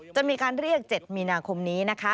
จะมีการเรียก๗มีนาคมนี้นะคะ